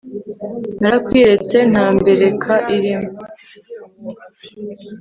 narakwiyeretse nta mbereka irimo